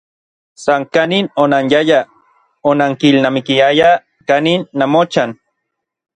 San kanin onanyayaj, onankilnamikiayaj kanin namochan.